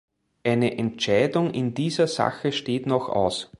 Eine Entscheidung in dieser Sache steht noch aus.